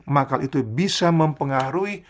maka itu bisa mempengaruhi